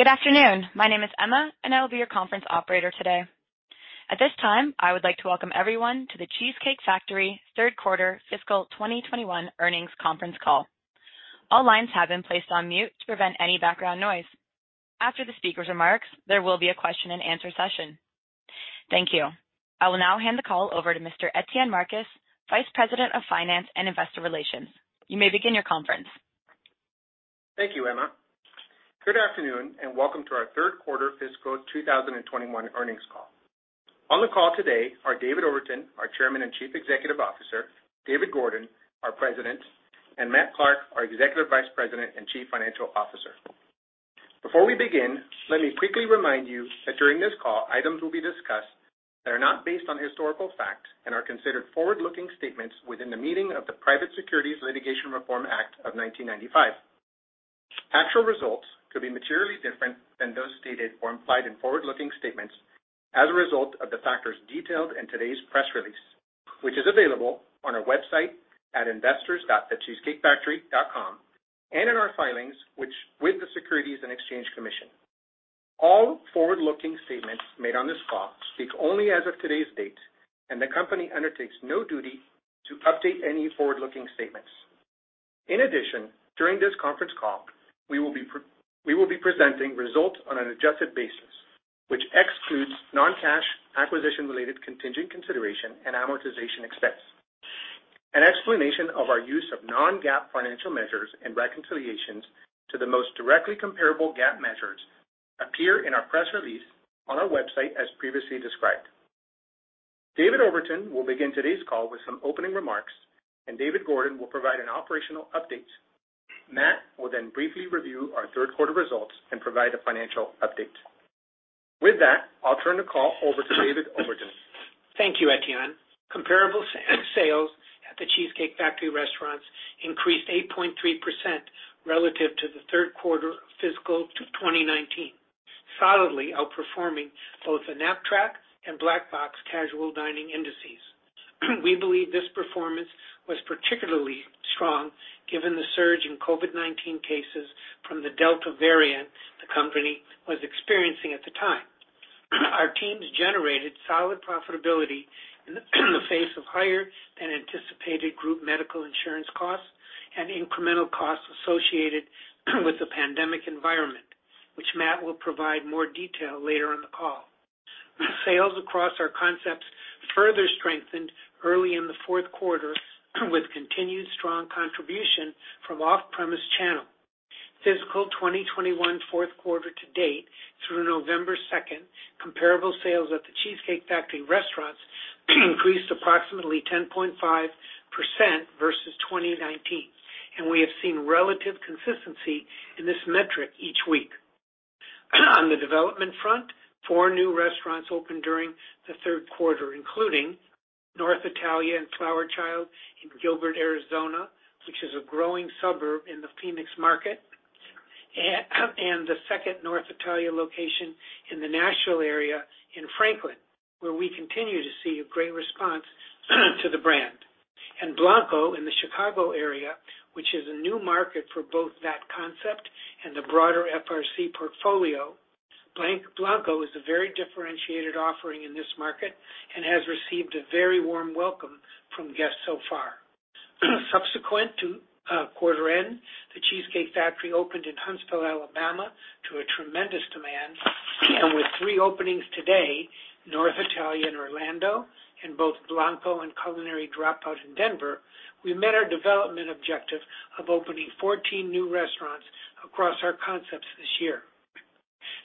Good afternoon. My name is Emma, and I will be your conference operator today. At this time, I would like to welcome everyone to The Cheesecake Factory third quarter fiscal 2021 earnings conference call. All lines have been placed on mute to prevent any background noise. After the speaker's remarks, there will be a question-and-answer session. Thank you. I will now hand the call over to Mr. Etienne Marcus, Vice President of Finance and Investor Relations. You may begin your conference. Thank you, Emma. Good afternoon, and welcome to our third quarter fiscal 2021 earnings call. On the call today are David Overton, our Chairman and Chief Executive Officer, David Gordon, our President, and Matt Clark, our Executive Vice President and Chief Financial Officer. Before we begin, let me quickly remind you that during this call, items will be discussed that are not based on historical fact and are considered forward-looking statements within the meaning of the Private Securities Litigation Reform Act of 1995. Actual results could be materially different than those stated or implied in forward-looking statements as a result of the factors detailed in today's press release, which is available on our website at investors.thecheesecakefactory.com and in our filings with the Securities and Exchange Commission. All forward-looking statements made on this call speak only as of today's date, and the company undertakes no duty to update any forward-looking statements. In addition, during this conference call, we will be presenting results on an adjusted basis, which excludes non-cash acquisition-related contingent consideration and amortization expense. An explanation of our use of non-GAAP financial measures and reconciliations to the most directly comparable GAAP measures appear in our press release on our website as previously described. David Overton will begin today's call with some opening remarks, and David Gordon will provide an operational update. Matt will then briefly review our third quarter results and provide a financial update. With that, I'll turn the call over to David Overton. Thank you, Etienne. Comparable sales at The Cheesecake Factory restaurants increased 8.3% relative to the third quarter of fiscal 2019. Solidly outperforming both the KNAPP-TRACK and Black Box casual dining indices. We believe this performance was particularly strong given the surge in COVID-19 cases from the Delta variant the company was experiencing at the time. Our teams generated solid profitability in the face of higher-than-anticipated group medical insurance costs and incremental costs associated with the pandemic environment, which Matt will provide more detail later in the call. Sales across our concepts further strengthened early in the fourth quarter with continued strong contribution from off-premise channel. Fiscal 2021 fourth quarter-to-date through November 2nd, comparable sales at The Cheesecake Factory restaurants increased approximately 10.5% versus 2019, and we have seen relative consistency in this metric each week. On the development front, four new restaurants opened during the third quarter, including North Italia and Flower Child in Gilbert, Arizona, which is a growing suburb in the Phoenix market, and the second North Italia location in the Nashville area in Franklin, where we continue to see a great response to the brand. Blanco in the Chicago area, which is a new market for both that concept and the broader FRC portfolio. Blanco is a very differentiated offering in this market and has received a very warm welcome from guests so far. Subsequent to quarter end, The Cheesecake Factory opened in Huntsville, Alabama, to a tremendous demand. With three openings today, North Italia in Orlando and both Blanco and Culinary Dropout in Denver, we met our development objective of opening 14 new restaurants across our concepts this year.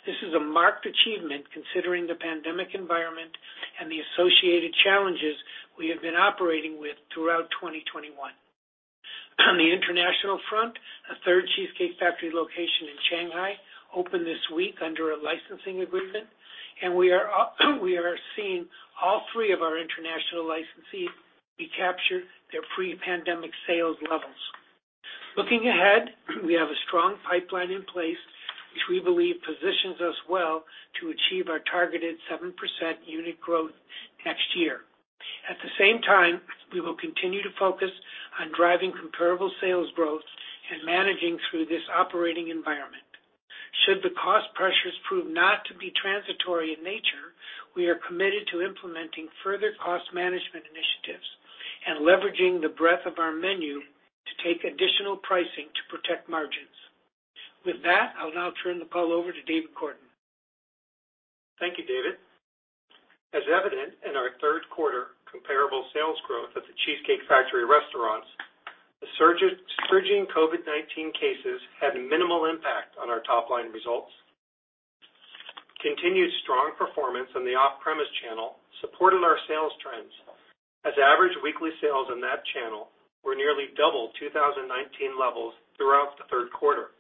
This is a marked achievement, considering the pandemic environment and the associated challenges we have been operating with throughout 2021. On the international front, a third Cheesecake Factory location in Shanghai opened this week under a licensing agreement, and we are seeing all three of our international licensees recapture their pre-pandemic sales levels. Looking ahead, we have a strong pipeline in place, which we believe positions us well to achieve our targeted 7% unit growth next year. At the same time, we will continue to focus on driving comparable sales growth and managing through this operating environment. Should the cost pressures prove not to be transitory in nature, we are committed to implementing further cost management initiatives and leveraging the breadth of our menu to take additional pricing to protect margins. With that, I'll now turn the call over to David Gordon. Thank you, David. As evident in our third quarter comparable sales growth at The Cheesecake Factory restaurants, the surging COVID-19 cases had minimal impact on our top-line results. Continued strong performance in the off-premise channel supported our sales trends, as average weekly sales in that channel were nearly double 2019 levels throughout the third quarter.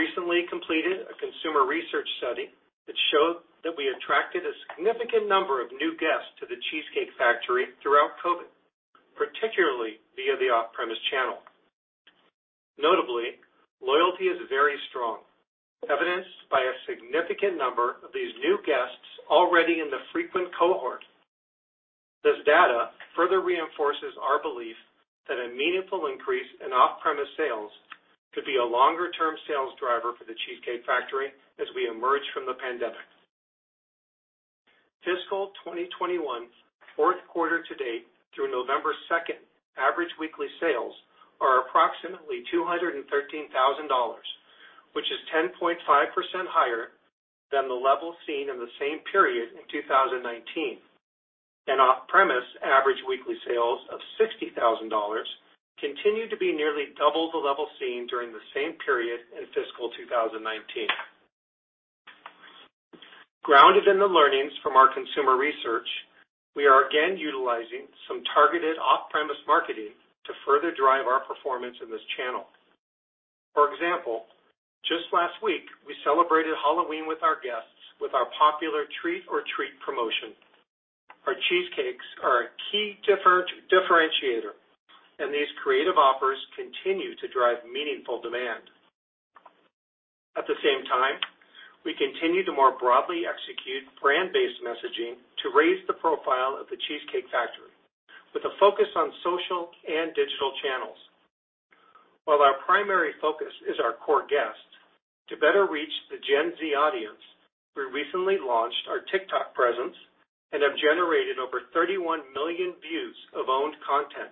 We recently completed a consumer research study that showed that we attracted a significant number of new guests to The Cheesecake Factory throughout COVID, particularly via the off-premise channel. Notably, loyalty is very strong, evidenced by a significant number of these new guests already in the frequent cohort. This data further reinforces our belief that a meaningful increase in off-premise sales could be a longer-term sales driver for The Cheesecake Factory as we emerge from the pandemic. Fiscal 2021 fourth quarter to date through November 2nd, average weekly sales are approximately $213,000, which is 10.5% higher than the level seen in the same period in 2019. Off-premise average weekly sales of $60,000 continue to be nearly double the level seen during the same period in fiscal 2019. Grounded in the learnings from our consumer research, we are again utilizing some targeted off-premise marketing to further drive our performance in this channel. For example, just last week we celebrated Halloween with our guests with our popular Trick or Treat promotion. Our cheesecakes are a key differentiator, and these creative offers continue to drive meaningful demand. At the same time, we continue to more broadly execute brand-based messaging to raise the profile of The Cheesecake Factory with a focus on social and digital channels. While our primary focus is our core guests, to better reach the Gen Z audience, we recently launched our TikTok presence and have generated over 31 million views of owned content,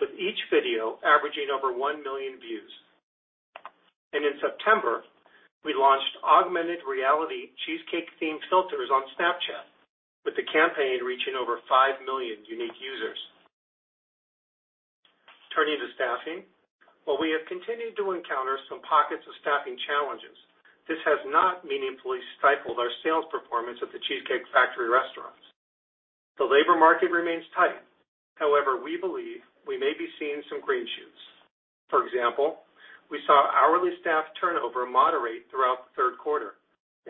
with each video averaging over 1 million views. In September, we launched augmented reality cheesecake-themed filters on Snapchat, with the campaign reaching over 5 million unique users. Turning to staffing, while we have continued to encounter some pockets of staffing challenges, this has not meaningfully stifled our sales performance at The Cheesecake Factory restaurants. The labor market remains tight. However, we believe we may be seeing some green shoots. For example, we saw hourly staff turnover moderate throughout the third quarter,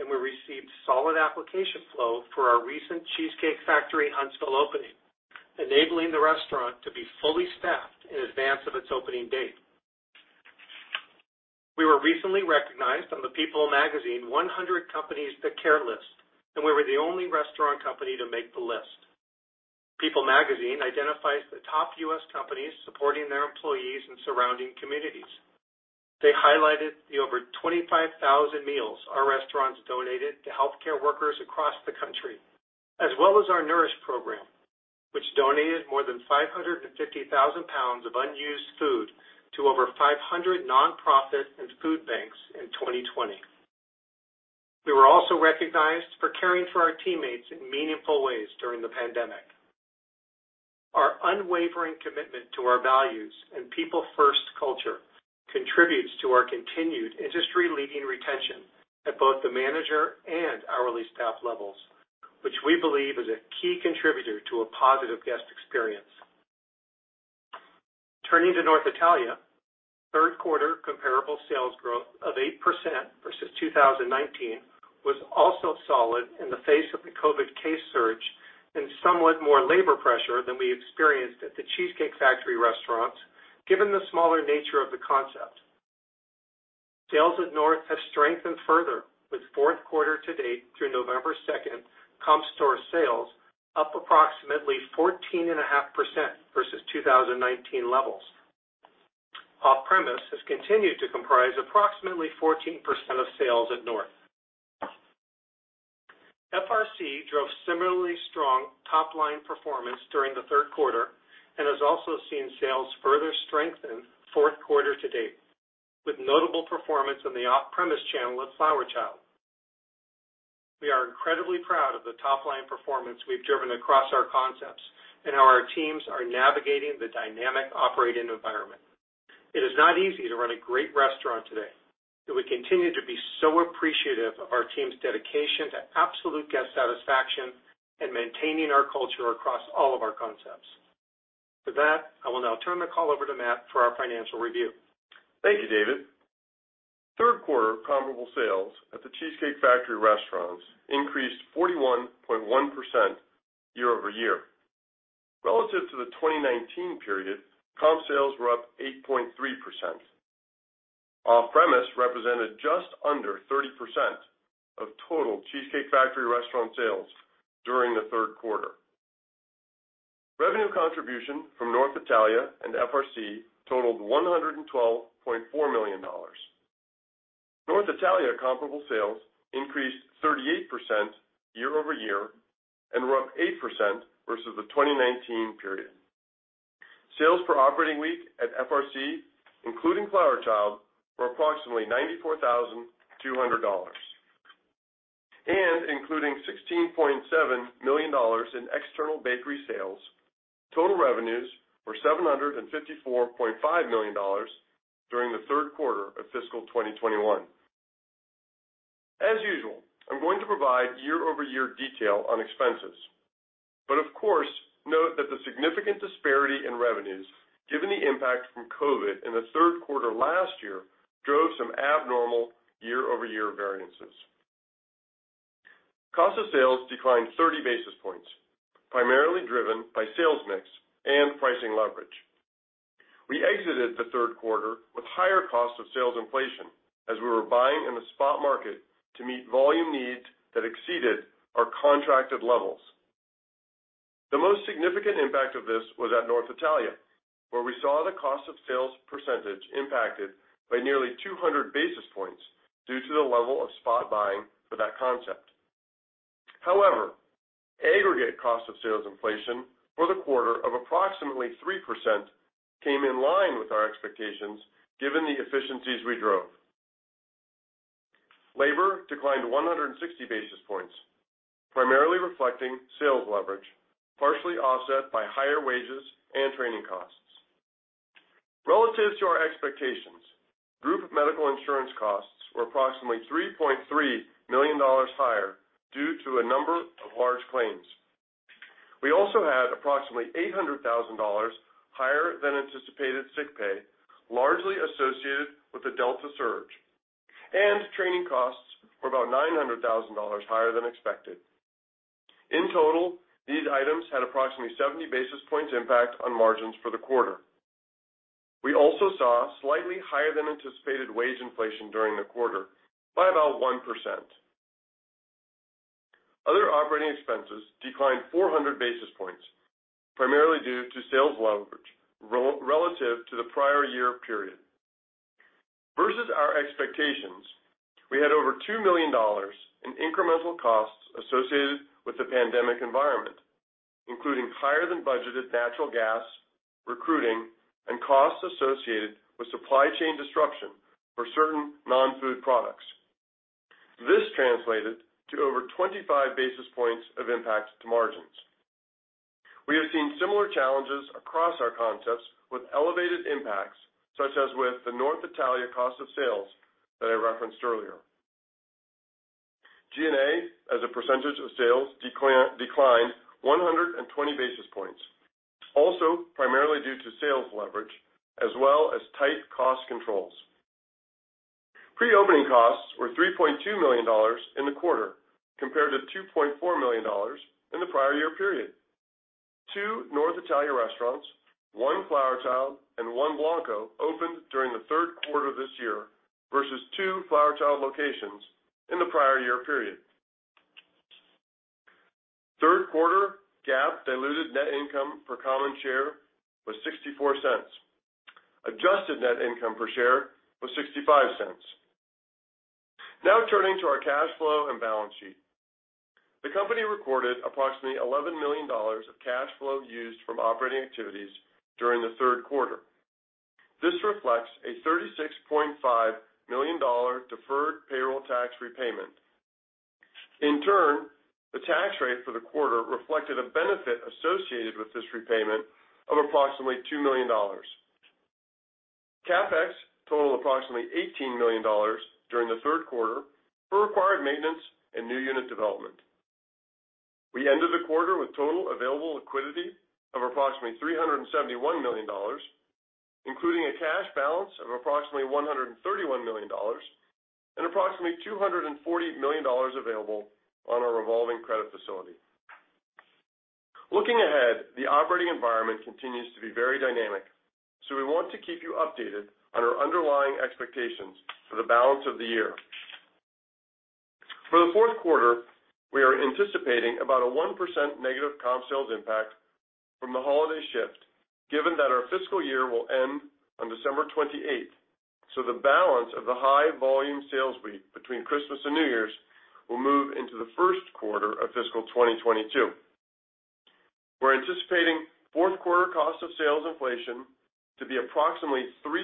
and we received solid application flow for our recent Cheesecake Factory Huntsville opening, enabling the restaurant to be fully staffed in advance of its opening date. We were recently recognized on the PEOPLE 100 Companies That Care list, and we were the only restaurant company to make the list. PEOPLE identifies the top U.S. companies supporting their employees and surrounding communities. They highlighted the over 25,000 meals our restaurants donated to healthcare workers across the country, as well as our Nourish program, which donated more than 550,000 pounds of unused food to over 500 non-profit and food banks in 2020. We were also recognized for caring for our teammates in meaningful ways during the pandemic. Our unwavering commitment to our values and people first culture contributes to our continued industry-leading retention at both the manager and hourly staff levels, which we believe is a key contributor to a positive guest experience. Turning to North Italia, third quarter comparable sales growth of 8% versus 2019 was also solid in the face of the COVID case surge and somewhat more labor pressure than we experienced at the Cheesecake Factory restaurants, given the smaller nature of the concept. Sales at North have strengthened further, with fourth quarter to date through November 2 comp store sales up approximately 14.5% versus 2019 levels. Off-premise has continued to comprise approximately 14% of sales at North. FRC drove similarly strong top-line performance during the third quarter and has also seen sales further strengthen fourth quarter to date, with notable performance in the off-premise channel with Flower Child. We are incredibly proud of the top-line performance we've driven across our concepts and how our teams are navigating the dynamic operating environment. It is not easy to run a great restaurant today, and we continue to be so appreciative of our team's dedication to absolute guest satisfaction and maintaining our culture across all of our concepts. With that, I will now turn the call over to Matt for our financial review. Thank you, David. Third quarter comparable sales at The Cheesecake Factory restaurants increased 41.1% year-over-year. Relative to the 2019 period, comp sales were up 8.3%. Off-premise represented just under 30% of total Cheesecake Factory restaurant sales during the third quarter. Revenue contribution from North Italia and FRC totaled $112.4 million. North Italia comparable sales increased 38% year-over-year and were up 8% versus the 2019 period. Sales per operating week at FRC, including Flower Child, were approximately $94,200. Including $16.7 million in external bakery sales, total revenues were $754.5 million during the third quarter of fiscal 2021. As usual, I'm going to provide year-over-year detail on expenses. Of course, note that the significant disparity in revenues, given the impact from COVID in the third quarter last year, drove some abnormal year-over-year variances. Cost of sales declined 30 basis points, primarily driven by sales mix and pricing leverage. We exited the third quarter with higher cost of sales inflation as we were buying in the spot market to meet volume needs that exceeded our contracted levels. The most significant impact of this was at North Italia, where we saw the cost of sales percentage impacted by nearly 200 basis points due to the level of spot buying for that concept. However, aggregate cost of sales inflation for the quarter of approximately 3% came in line with our expectations given the efficiencies we drove. Labor declined 160 basis points, primarily reflecting sales leverage, partially offset by higher wages and training costs. Relative to our expectations, group medical insurance costs were approximately $3.3 million higher due to a number of large claims. We also had approximately $800,000 higher than anticipated sick pay, largely associated with the Delta surge, and training costs were about $900,000 higher than expected. In total, these items had approximately 70 basis points impact on margins for the quarter. We also saw slightly higher than anticipated wage inflation during the quarter by about 1%. Other operating expenses declined 400 basis points, primarily due to sales leverage relative to the prior year period. Versus our expectations, we had over $2 million in incremental costs associated with the pandemic environment, including higher than budgeted natural gas, recruiting, and costs associated with supply chain disruption for certain non-food products. This translated to over 25 basis points of impact to margins. We have seen similar challenges across our concepts with elevated impacts, such as with the North Italia cost of sales that I referenced earlier. G&A as a percentage of sales declined 120 basis points, also primarily due to sales leverage as well as tight cost controls. Pre-opening costs were $3.2 million in the quarter compared to $2.4 million in the prior year period. Two North Italia restaurants, 1 Flower Child, and 1 Blanco opened during the third quarter this year versus two Flower Child locations in the prior year period. Third quarter GAAP diluted net income per common share was $0.64. Adjusted net income per share was $0.65. Now turning to our cash flow and balance sheet. The company recorded approximately $11 million of cash flow used from operating activities during the third quarter. This reflects a $36.5 million deferred payroll tax repayment. In turn, the tax rate for the quarter reflected a benefit associated with this repayment of approximately $2 million. CapEx totaled approximately $18 million during the third quarter for required maintenance and new unit development. We ended the quarter with total available liquidity of approximately $371 million, including a cash balance of approximately $131 million and approximately $240 million available on our revolving credit facility. Looking ahead, the operating environment continues to be very dynamic, so we want to keep you updated on our underlying expectations for the balance of the year. For the fourth quarter, we are anticipating about a 1% negative comp sales impact from the holiday shift, given that our fiscal year will end on December 28th, so the balance of the high volume sales week between Christmas and New Year's will move into the first quarter of fiscal 2022. We're anticipating fourth quarter cost of sales inflation to be approximately 3%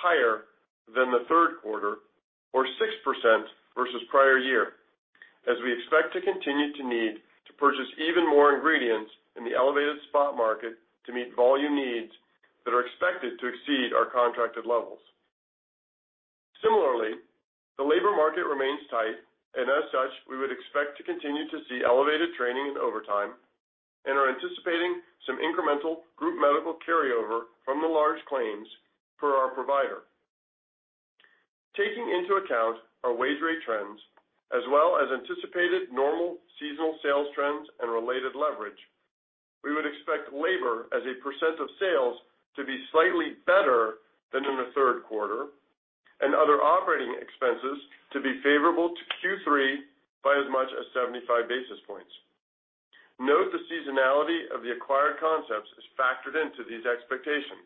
higher than the third quarter or 6% versus prior year as we expect to continue to need to purchase even more ingredients in the elevated spot market to meet volume needs that are expected to exceed our contracted levels. Similarly, the labor market remains tight, and as such, we would expect to continue to see elevated training and overtime and are anticipating some incremental group medical carryover from the large claims for our provider. Taking into account our wage rate trends as well as anticipated normal seasonal sales trends and related leverage, we would expect labor as a percent of sales to be slightly better than in the third quarter and other operating expenses to be favorable to Q3 by as much as 75 basis points. Note the seasonality of the acquired concepts is factored into these expectations.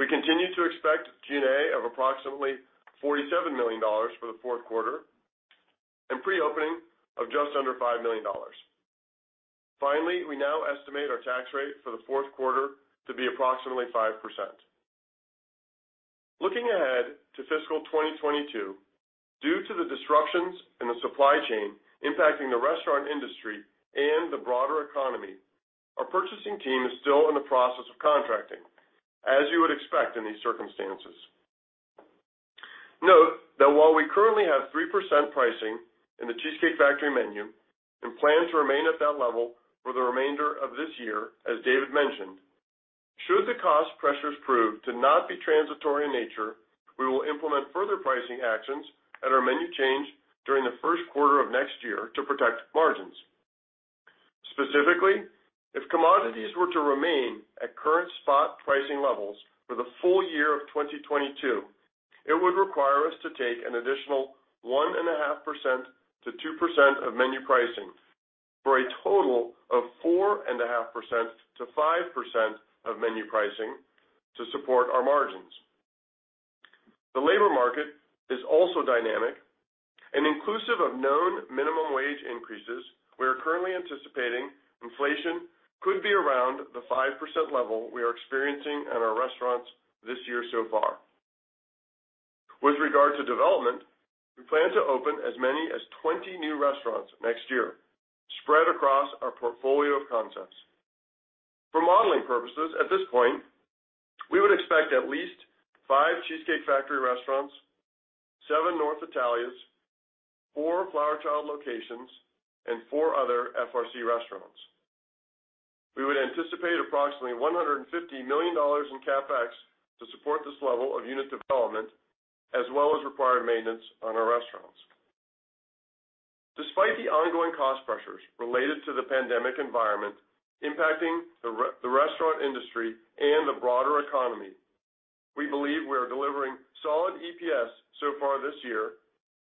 We continue to expect G&A of approximately $47 million for the fourth quarter and pre-opening of just under $5 million. Finally, we now estimate our tax rate for the fourth quarter to be approximately 5%. Looking ahead to fiscal 2022, due to the disruptions in the supply chain impacting the restaurant industry and the broader economy, our purchasing team is still in the process of contracting, as you would expect in these circumstances. Note that while we currently have 3% pricing in The Cheesecake Factory menu and plan to remain at that level for the remainder of this year, as David mentioned, should the cost pressures prove to not be transitory in nature. We will implement further pricing actions at our menu change during the first quarter of next year to protect margins. Specifically, if commodities were to remain at current spot pricing levels for the full year of 2022, it would require us to take an additional 1.5%-2% of menu pricing, for a total of 4.5%-5% of menu pricing to support our margins. The labor market is also dynamic and inclusive of known minimum wage increases. We are currently anticipating inflation could be around the 5% level we are experiencing at our restaurants this year so far. With regard to development, we plan to open as many as 20 new restaurants next year, spread across our portfolio of concepts. For modeling purposes, at this point, we would expect at least five Cheesecake Factory restaurants, seven North Italias, 4 Flower Child locations, and four other FRC restaurants. We would anticipate approximately $150 million in CapEx to support this level of unit development, as well as required maintenance on our restaurants. Despite the ongoing cost pressures related to the pandemic environment impacting the restaurant industry and the broader economy, we believe we are delivering solid EPS so far this year,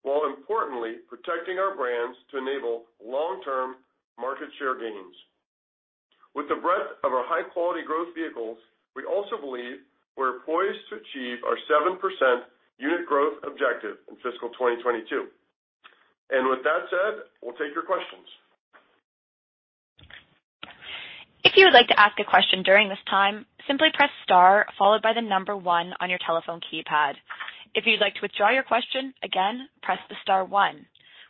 while importantly protecting our brands to enable long-term market share gains. With the breadth of our high-quality growth vehicles, we also believe we're poised to achieve our 7% unit growth objective in fiscal 2022. With that said, we'll take your questions. If you would like to ask a question during this time, simply press star followed by the number one on your telephone keypad. If you'd like to withdraw your question again, press the star one.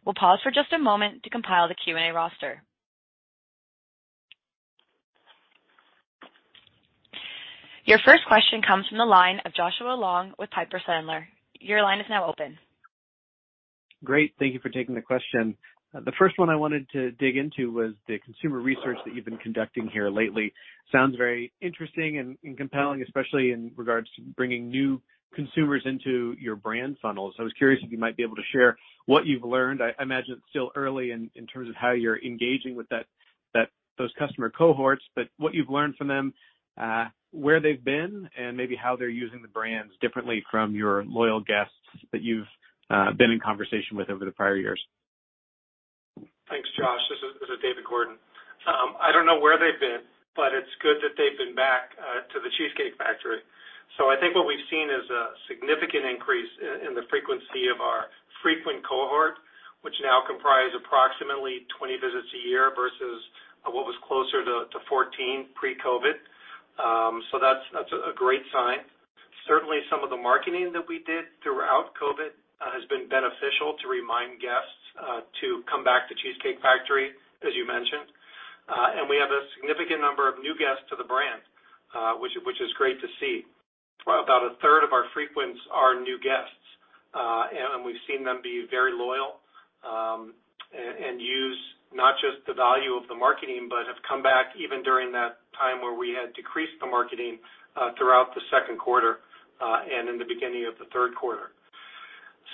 We'll pause for just a moment to compile the Q&A roster. Your first question comes from the line of Joshua Long with Piper Sandler. Your line is now open. Great. Thank you for taking the question. The first one I wanted to dig into was the consumer research that you've been conducting here lately. Sounds very interesting and compelling, especially in regards to bringing new consumers into your brand funnel. I was curious if you might be able to share what you've learned. I imagine it's still early in terms of how you're engaging with those customer cohorts, but what you've learned from them, where they've been, and maybe how they're using the brands differently from your loyal guests that you've been in conversation with over the prior years. Thanks, Josh. This is David Gordon. I don't know where they've been, but it's good that they've been back to The Cheesecake Factory. I think what we've seen is a significant increase in the frequency of our frequent cohort, which now comprise approximately 20 visits a year versus what was closer to 14 pre-COVID. That's a great sign. Certainly, some of the marketing that we did throughout COVID has been beneficial to remind guests to come back to The Cheesecake Factory, as you mentioned. We have a significant number of new guests to the brand, which is great to see. About a third of our frequents are new guests, and we've seen them be very loyal, and use not just the value of the marketing, but have come back even during that time where we had decreased the marketing, throughout the second quarter, and in the beginning of the third quarter.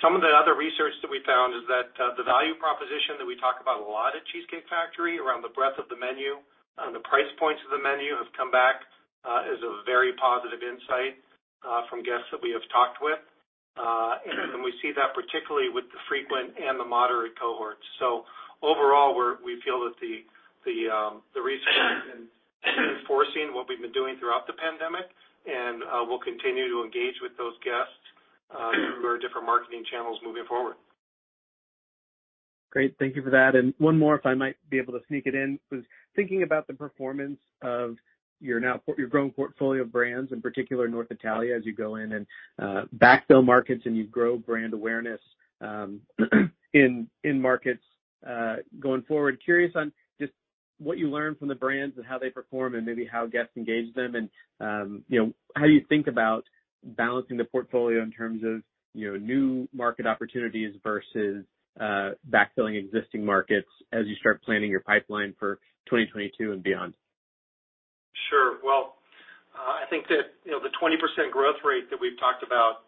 Some of the other research that we found is that the value proposition that we talk about a lot at Cheesecake Factory around the breadth of the menu and the price points of the menu have come back, as a very positive insight, from guests that we have talked with. We see that particularly with the frequent and the moderate cohorts. Overall, we feel that the research has been enforcing what we've been doing throughout the pandemic, and we'll continue to engage with those guests through our different marketing channels moving forward. Great. Thank you for that. One more, if I might be able to sneak it in. Was thinking about the performance of your growing portfolio of brands, in particular North Italia, as you go in and backfill markets, and you grow brand awareness in markets going forward. Curious on just what you learned from the brands and how they perform and maybe how guests engage them and you know, how do you think about balancing the portfolio in terms of you know, new market opportunities versus backfilling existing markets as you start planning your pipeline for 2022 and beyond? Sure. Well, I think that, you know, the 20% growth rate that we've talked about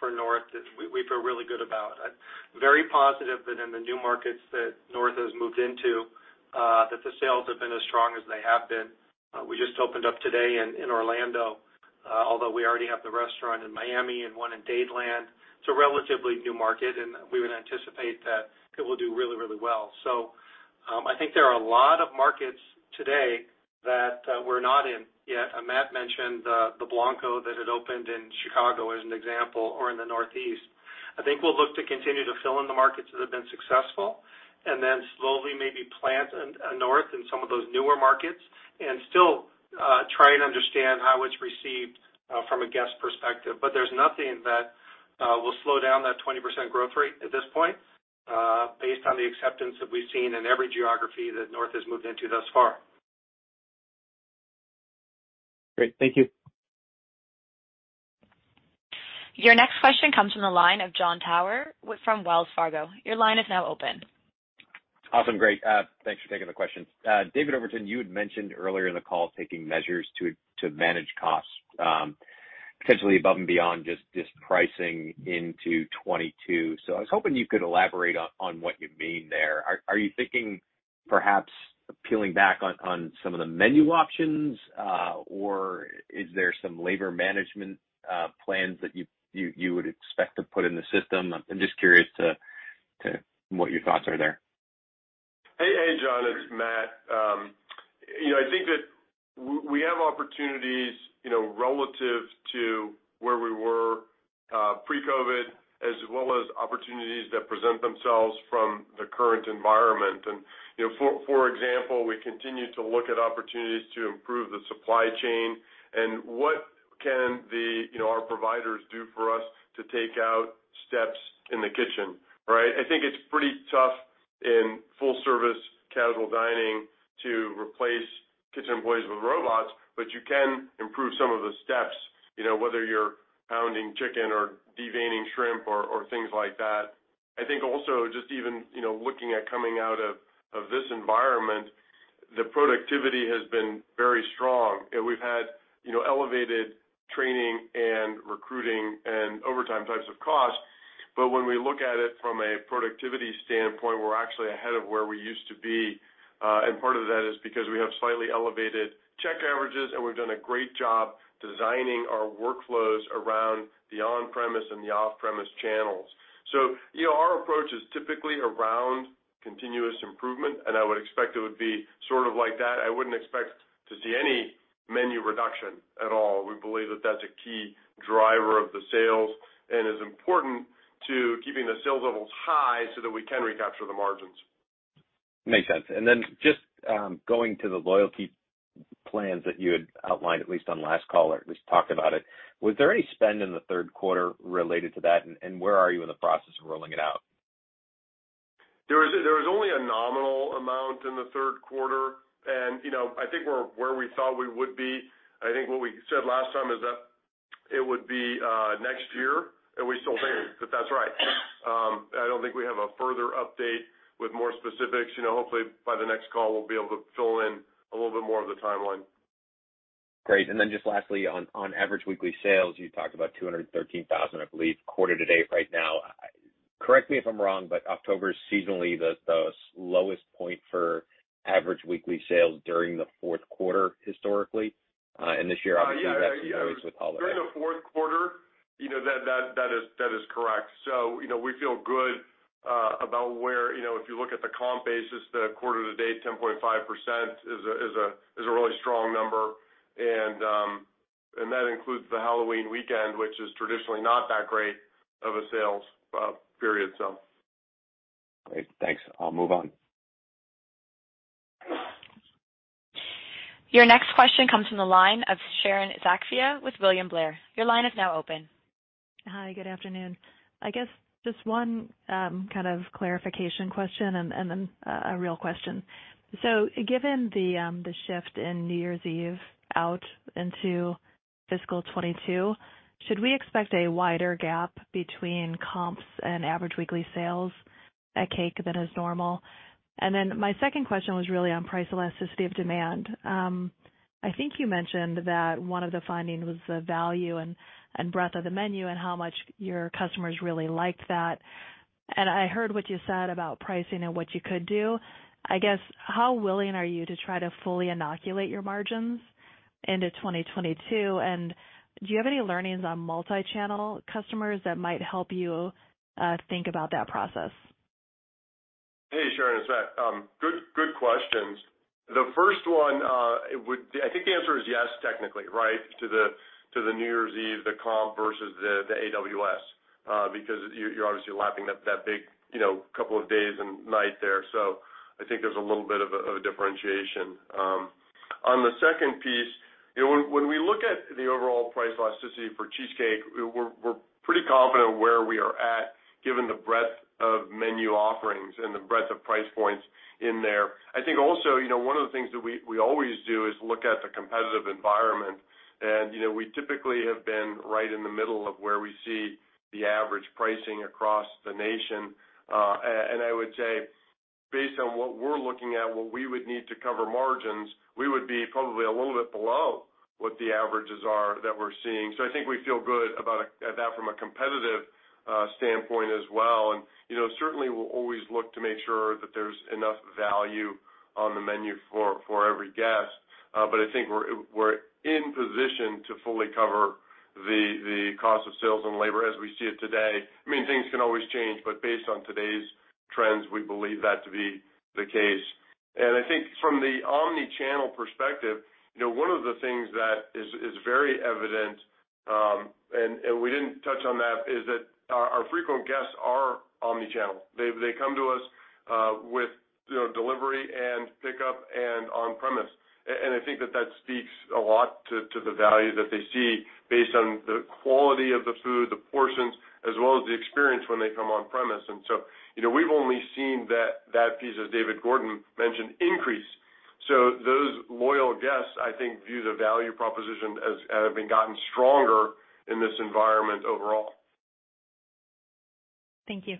for North is we feel really good about. I'm very positive that in the new markets that North has moved into that the sales have been as strong as they have been. We just opened up today in Orlando, although we already have the restaurant in Miami and one in Dadeland, it's a relatively new market, and we would anticipate that it will do really, really well. I think there are a lot of markets today that we're not in yet. Matt mentioned the Blanco that had opened in Chicago as an example or in the Northeast. I think we'll look to continue to fill in the markets that have been successful and then slowly maybe plant a North in some of those newer markets and still try and understand how it's received from a guest perspective. There's nothing that will slow down that 20% growth rate at this point based on the acceptance that we've seen in every geography that North has moved into thus far. Great. Thank you. Your next question comes from the line of Jon Tower from Wells Fargo. Your line is now open. Awesome. Great. Thanks for taking the question. David Overton, you had mentioned earlier in the call taking measures to manage costs, potentially above and beyond just pricing into 2022. I was hoping you could elaborate on what you mean there. Are you thinking perhaps peeling back on some of the menu options, or is there some labor management plans that you would expect to put in the system? I'm just curious to what your thoughts are there. Hey, John, it's Matt. You know, I think that we have opportunities, you know, relative to where we were pre-COVID, as well as opportunities that present themselves from the current environment. You know, for example, we continue to look at opportunities to improve the supply chain and what can our providers do for us to take out steps in the kitchen, right? I think it's pretty tough in full service casual dining to replace kitchen employees with robots, but you can improve some of the steps, you know, whether you're pounding chicken or deveining shrimp or things like that. I think also just even, you know, looking at coming out of this environment, the productivity has been very strong. We've had, you know, elevated training and recruiting and overtime types of costs. when we look at it from a productivity standpoint, we're actually ahead of where we used to be. Part of that is because we have slightly elevated check averages, and we've done a great job designing our workflows around the on-premise and the off-premise channels. You know, our approach is typically around continuous improvement, and I would expect it would be sort of like that. I wouldn't expect to see any menu reduction at all. We believe that that's a key driver of the sales and is important to keeping the sales levels high so that we can recapture the margins. Makes sense. Just going to the loyalty plans that you had outlined, at least on last call, or at least talked about it, was there any spend in the third quarter related to that? Where are you in the process of rolling it out? There was only a nominal amount in the third quarter. You know, I think we're where we thought we would be. I think what we said last time is that it would be next year, and we still think that that's right. I don't think we have a further update with more specifics. You know, hopefully by the next call, we'll be able to fill in a little bit more of the timeline. Great. Then just lastly, on average weekly sales, you talked about $213,000, I believe, quarter to date right now. Correct me if I'm wrong, but October is seasonally the lowest point for average weekly sales during the fourth quarter historically. This year, obviously, that's noise with Halloween. Yeah, you know, during the fourth quarter, you know, that is correct. We feel good about where, you know, if you look at the comp basis, the quarter to date, 10.5% is a really strong number. That includes the Halloween weekend, which is traditionally not that great of a sales period. Great. Thanks. I'll move on. Your next question comes from the line of Sharon Zackfia with William Blair. Your line is now open. Hi, good afternoon. I guess just one, kind of clarification question and then a real question. Given the shift in New Year's Eve out into fiscal 2022, should we expect a wider gap between comps and average weekly sales at Cake than is normal? Then my second question was really on price elasticity of demand. I think you mentioned that one of the findings was the value and breadth of the menu and how much your customers really liked that. I heard what you said about pricing and what you could do. I guess, how willing are you to try to fully inoculate your margins into 2022? Do you have any learnings on multi-channel customers that might help you think about that process? Hey, Sharon, it's Matt. Good questions. The first one, I think the answer is yes, technically, right, to the New Year's Eve, the comp versus the AWS, because you're obviously lapping that big, you know, couple of days and night there. So I think there's a little bit of a differentiation. On the second piece, you know, when we look at the overall price elasticity for Cheesecake, we're pretty confident where we are at, given the breadth of menu offerings and the breadth of price points in there. I think also, you know, one of the things that we always do is look at the competitive environment. You know, we typically have been right in the middle of where we see the average pricing across the nation. I would say based on what we're looking at, what we would need to cover margins, we would be probably a little bit below what the averages are that we're seeing. I think we feel good about that from a competitive standpoint as well. You know, certainly we'll always look to make sure that there's enough value on the menu for every guest. I think we're in position to fully cover the cost of sales and labor as we see it today. I mean, things can always change, but based on today's trends, we believe that to be the case. I think from the omni-channel perspective, you know, one of the things that is very evident and we didn't touch on that, is that our frequent guests are omni-channel. They come to us with, you know, delivery and pickup and on-premise. I think that speaks a lot to the value that they see based on the quality of the food, the portions, as well as the experience when they come on-premise. You know, we've only seen that piece, as David Gordon mentioned, increase. Those loyal guests, I think, view the value proposition as having gotten stronger in this environment overall. Thank you.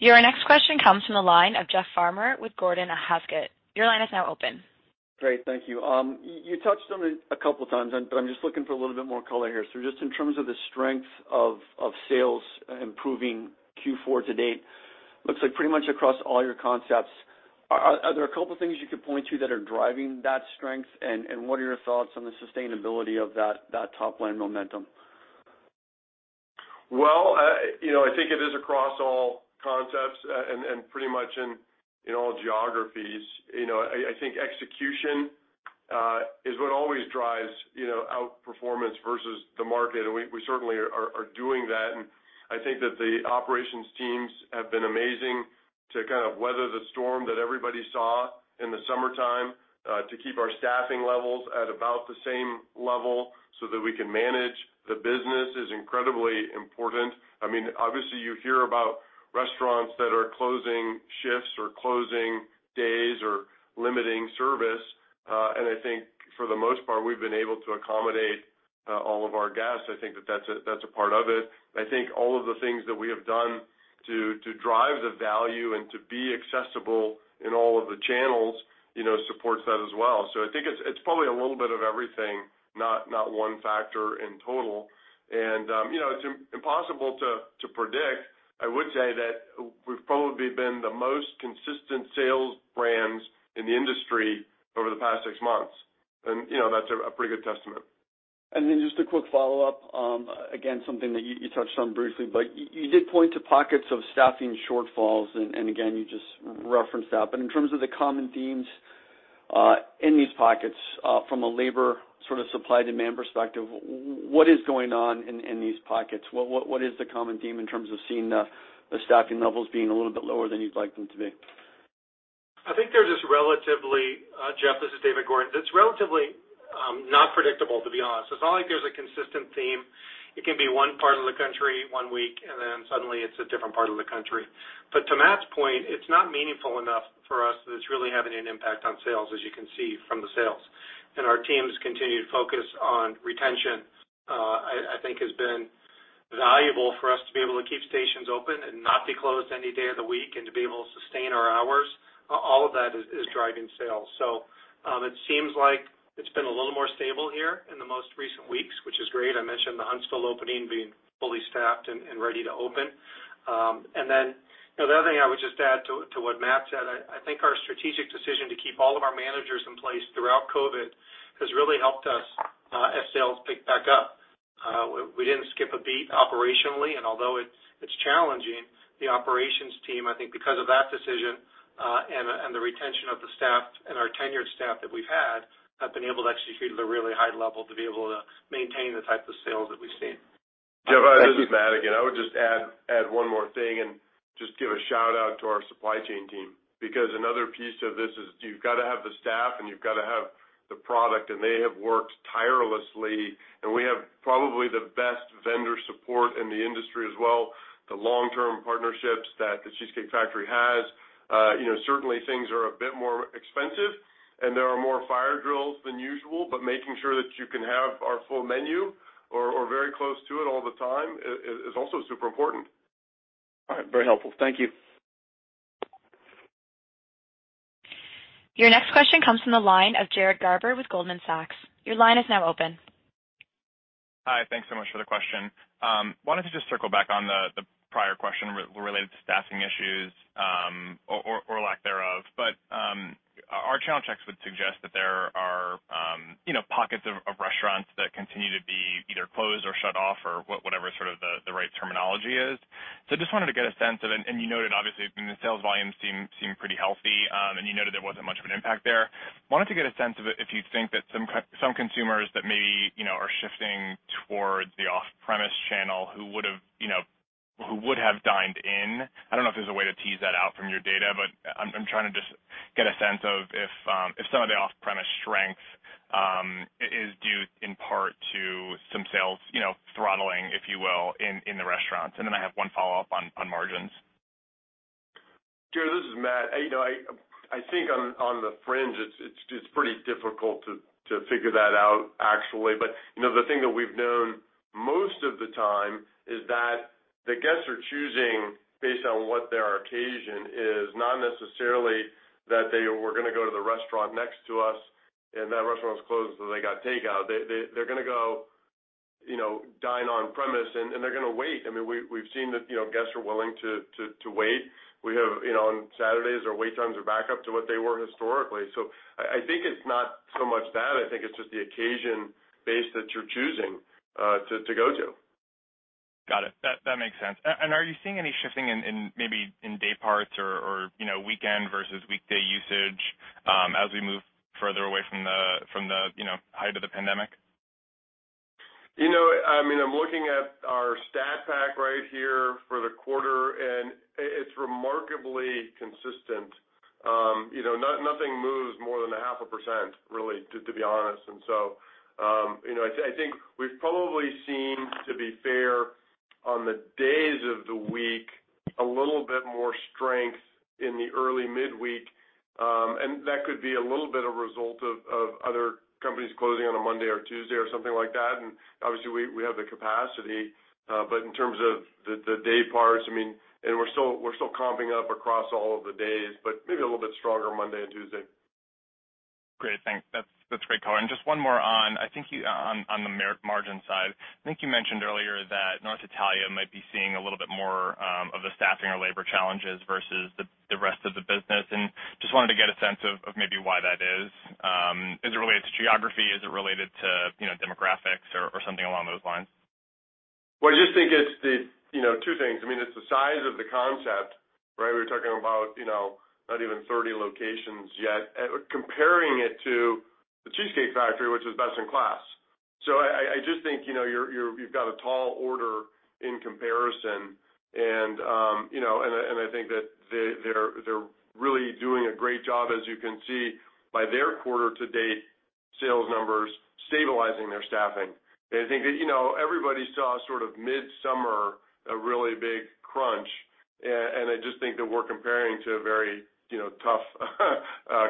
Your next question comes from the line of Jeff Farmer with Gordon Haskett. Your line is now open. Great. Thank you. You touched on it a couple of times, but I'm just looking for a little bit more color here. Just in terms of the strength of sales improving Q4 to date, looks like pretty much across all your concepts. Are there a couple of things you could point to that are driving that strength? What are your thoughts on the sustainability of that top line momentum? Well, you know, I think it is across all concepts, and pretty much in all geographies. You know, I think execution is what always drives, you know, outperformance versus the market. We certainly are doing that. I think that the operations teams have been amazing to kind of weather the storm that everybody saw in the summertime, to keep our staffing levels at about the same level so that we can manage the business is incredibly important. I mean, obviously, you hear about restaurants that are closing shifts or closing days or limiting service. I think for the most part, we've been able to accommodate all of our guests. I think that that's a part of it. I think all of the things that we have done to drive the value and to be accessible in all of the channels, you know, supports that as well. I think it's probably a little bit of everything, not one factor in total. You know, it's impossible to predict. I would say that we've probably been the most consistent sales brands in the industry over the past six months. You know, that's a pretty good testament. Then just a quick follow-up. Again, something that you touched on briefly, but you did point to pockets of staffing shortfalls, and again, you just referenced that. In terms of the common themes in these pockets from a labor sort of supply demand perspective, what is going on in these pockets? What is the common theme in terms of seeing the staffing levels being a little bit lower than you'd like them to be? I think there's this relatively Jeff, this is David Gordon. That's relatively not predictable, to be honest. It's not like there's a consistent theme. It can be one part of the country one week, and then suddenly it's a different part of the country. To Matt's point, it's not meaningful enough for us that it's really having an impact on sales, as you can see from the sales. Our teams continue to focus on retention, I think has been valuable for us to be able to keep stations open and not be closed any day of the week and to be able to sustain our hours. All of that is driving sales. It seems like it's been a little more stable here in the most recent weeks, which is great. I mentioned the Huntsville opening being fully staffed and ready to open. You know, the other thing I would just add to what Matt said, I think our strategic decision to keep all of our managers in place throughout COVID has really helped us, as sales pick back up. We didn't skip a beat operationally, and although it's challenging, the operations team, I think because of that decision, and the retention of the staff and our tenured staff that we've had, have been able to execute at a really high level to be able to maintain the type of sales that we've seen. Jeff, this is Matt again. I would just add one more thing and just give a shout-out to our supply chain team. Because another piece of this is you've got to have the staff, and you've got to have the product, and they have worked tirelessly. We have probably the best vendor support in the industry as well. The long-term partnerships that The Cheesecake Factory has. You know, certainly things are a bit more expensive and there are more fire drills than usual, but making sure that you can have our full menu or very close to it all the time is also super important. All right. Very helpful. Thank you. Your next question comes from the line of Jared Garber with Goldman Sachs. Your line is now open. Hi. Thanks so much for the question. Wanted to just circle back on the prior question related to staffing issues, or lack thereof. Our channel checks would suggest that there are, you know, pockets of restaurants that continue to be either closed or shut off or whatever the right terminology is. Just wanted to get a sense of it. You noted, obviously, I mean, the sales volumes seem pretty healthy. You noted there wasn't much of an impact there. Wanted to get a sense of it if you think that some consumers that maybe, you know, are shifting towards the off-premise channel who would have, you know, who would have dined in. I don't know if there's a way to tease that out from your data, but I'm trying to just get a sense of if some of the off-premise strength is due in part to some sales, you know, throttling, if you will, in the restaurants. I have one follow-up on margins. Jared, this is Matt. You know, I think on the fringe, it's pretty difficult to figure that out, actually. You know, the thing that we've known most of the time is that the guests are choosing based on what their occasion is, not necessarily that they were gonna go to the restaurant next to us and that restaurant was closed, so they got takeout. They're gonna go, you know, dine on premise and they're gonna wait. I mean, we've seen that, you know, guests are willing to wait. We have, you know, on Saturdays our wait times are back up to what they were historically. I think it's not so much that. I think it's just the occasion base that you're choosing to go to. Got it. That makes sense. Are you seeing any shifting in maybe day parts or, you know, weekend versus weekday usage, as we move further away from the, you know, height of the pandemic? You know, I mean, I'm looking at our stat pack right here for the quarter, and it's remarkably consistent. You know, nothing moves more than 0.5%, really, to be honest. I think it's there on the days of the week, a little bit more strength in the early mid-week, and that could be a little bit the result of other companies closing on a Monday or Tuesday or something like that. Obviously, we have the capacity, but in terms of the day parts, I mean, and we're still comping up across all of the days, but maybe a little bit stronger Monday and Tuesday. Great. Thanks. That's great color. Just one more on the margin side, I think you mentioned earlier that North Italia might be seeing a little bit more of the staffing or labor challenges versus the rest of the business, and just wanted to get a sense of maybe why that is. Is it related to geography? Is it related to, you know, demographics or something along those lines? Well, I just think it's the you know two things. I mean, it's the size of the concept, right? We're talking about, you know, not even 30 locations yet. Comparing it to The Cheesecake Factory, which is best in class. I just think, you know, you've got a tall order in comparison. I think that they're really doing a great job, as you can see by their quarter-to-date sales numbers stabilizing their staffing. I think, you know, everybody saw sort of mid-summer a really big crunch, and I just think that we're comparing to a very, you know, tough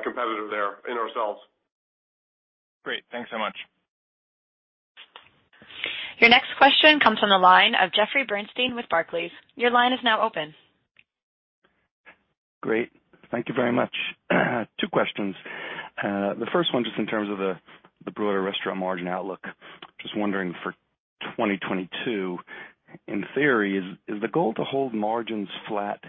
competitor there in ourselves. Great. Thanks so much. Your next question comes from the line of Jeffrey Bernstein with Barclays. Your line is now open. Great. Thank you very much. Two questions. The first one, just in terms of the broader restaurant margin outlook. Just wondering for 2022, in theory, is the goal to hold margins flat,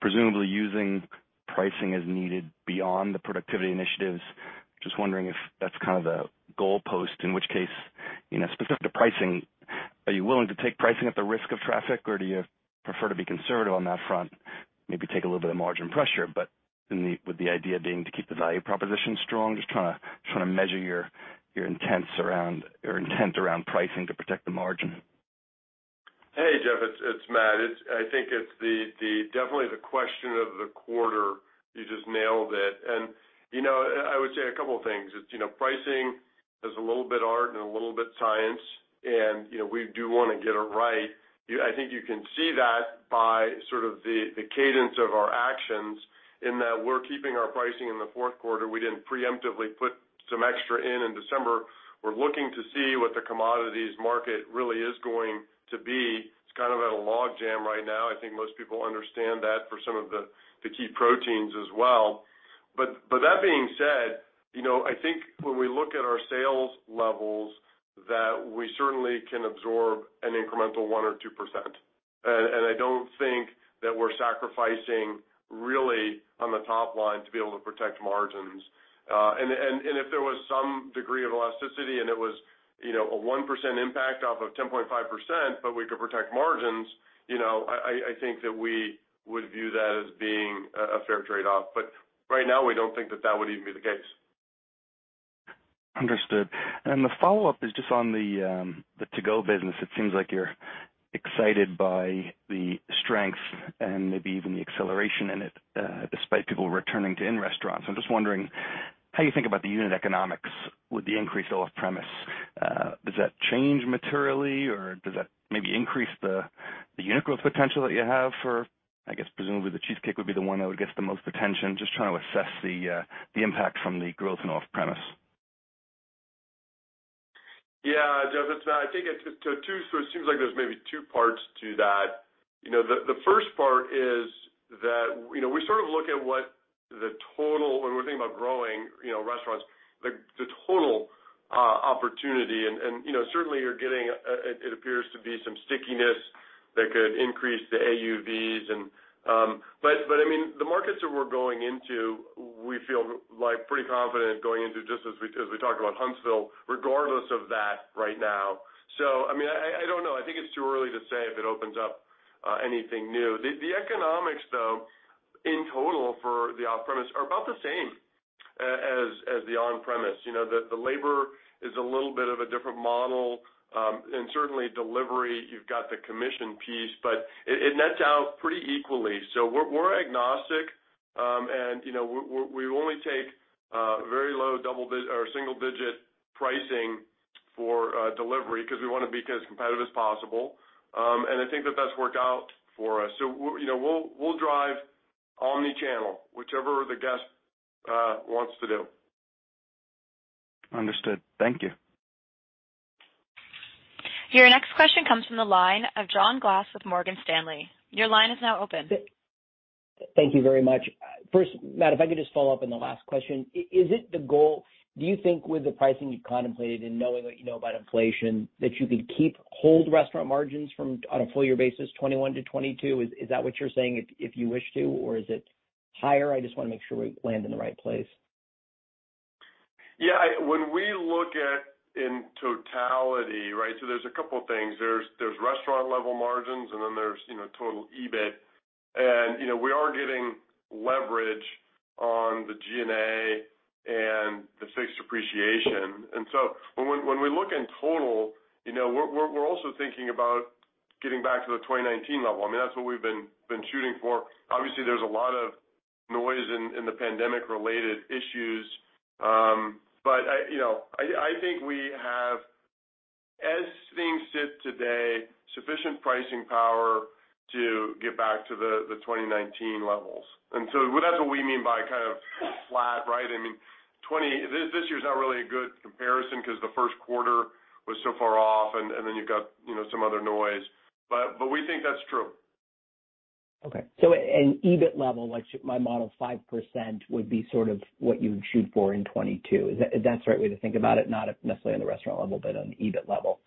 presumably using pricing as needed beyond the productivity initiatives? Just wondering if that's kind of the goalpost, in which case, you know, specific to pricing, are you willing to take pricing at the risk of traffic, or do you prefer to be conservative on that front? Maybe take a little bit of margin pressure, but with the idea being to keep the value proposition strong. Just trying to measure your intent around pricing to protect the margin. Hey, Jeff, it's Matt. I think it's definitely the question of the quarter. You just nailed it. You know, I would say a couple of things. You know, pricing is a little bit art and a little bit science and, you know, we do wanna get it right. I think you can see that by sort of the cadence of our actions in that we're keeping our pricing in the fourth quarter. We didn't preemptively put some extra in December. We're looking to see what the commodities market really is going to be. It's kind of at a log jam right now. I think most people understand that for some of the key proteins as well. That being said, you know, I think when we look at our sales levels that we certainly can absorb an incremental 1 or 2%. I don't think that we're sacrificing really on the top line to be able to protect margins. If there was some degree of elasticity and it was, you know, a 1% impact off of 10.5%, but we could protect margins, you know, I think that we would view that as being a fair trade-off. Right now, we don't think that that would even be the case. Understood. The follow-up is just on the to-go business. It seems like you're excited by the strength and maybe even the acceleration in it, despite people returning to dine in restaurants. I'm just wondering how you think about the unit economics with the increased off-premise. Does that change materially, or does that maybe increase the unit growth potential that you have for, I guess presumably The Cheesecake would be the one that would get the most attention? Just trying to assess the impact from the growth in off-premise. Yeah, Jeff, it's Matt. I think it's just two. It seems like there's maybe two parts to that. You know, the first part is that, you know, we sort of look at what the total when we're thinking about growing, you know, restaurants, the total opportunity. You know, certainly you're getting, it appears to be some stickiness that could increase the AUVs. I mean, the markets that we're going into, we feel like pretty confident going into just as we talk about Huntsville regardless of that right now. I mean, I don't know. I think it's too early to say if it opens up anything new. The economics, though, in total for the off-premise are about the same as the on-premise. You know, the labor is a little bit of a different model, and certainly delivery, you've got the commission piece, but it nets out pretty equally. We're agnostic, and you know we only take very low double digit or single digit pricing for delivery because we wanna be as competitive as possible. I think that that's worked out for us. You know, we'll drive omni-channel, whichever the guest wants to do. Understood. Thank you. Your next question comes from the line of John Glass with Morgan Stanley. Your line is now open. Thank you very much. First, Matt, if I could just follow up on the last question. Is it the goal, do you think with the pricing you contemplated in knowing what you know about inflation, that you could keep hold restaurant margins from on a full year basis, 21%-22%? Is that what you're saying if you wish to, or is it higher? I just wanna make sure we land in the right place. Yeah. When we look at it in totality, right? There's a couple of things. There's restaurant level margins, and then there's total EBIT. You know, we are getting leverage on the G&A and the fixed depreciation. When we look in total, you know, we're also thinking about getting back to the 2019 level. I mean, that's what we've been shooting for. Obviously, there's a lot of noise in the pandemic-related issues. But I think we have, as things sit today, sufficient pricing power to get back to the 2019 levels. That's what we mean by kind of flat, right? I mean, this year's not really a good comparison because the first quarter was so far off, and then you've got some other noise. We think that's true. Okay. An EBIT level, my model, 5% would be sort of what you would shoot for in 2022. Is that the right way to think about it? Not necessarily on the restaurant level, but on the EBIT level.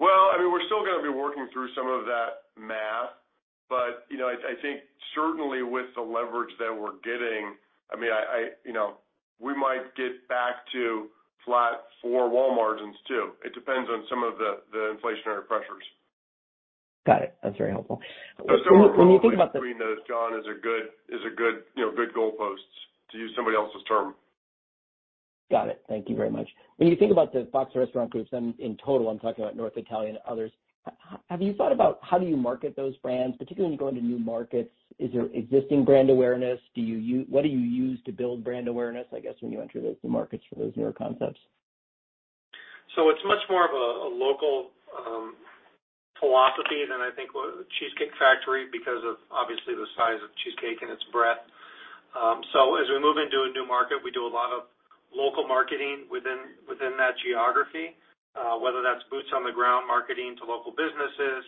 Well, I mean, we're still gonna be working through some of that math. You know, I think certainly with the leverage that we're getting, I mean, you know, we might get back to flat overall margins too. It depends on some of the inflationary pressures. Got it. That's very helpful. When you think about the. We're probably screening those, John, is a good, you know, good goalposts, to use somebody else's term. Got it. Thank you very much. When you think about the Fox Restaurant Concepts in total, I'm talking about North Italia and others, have you thought about how do you market those brands, particularly when you go into new markets, is there existing brand awareness? Do you what do you use to build brand awareness, I guess, when you enter those new markets for those newer concepts? It's much more of a local philosophy than I think Cheesecake Factory because of obviously the size of Cheesecake and its breadth. As we move into a new market, we do a lot of local marketing within that geography, whether that's boots on the ground marketing to local businesses,